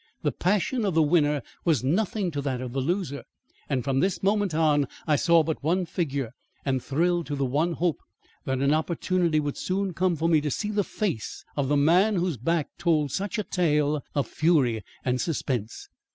The passion of the winner was nothing to that of the loser; and from this moment on, I saw but the one figure, and thrilled to the one hope that an opportunity would soon come for me to see the face of the man whose back told such a tale of fury and suspense.